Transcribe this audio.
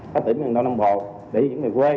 đến những miền đông nam bộ để di chuyển về quê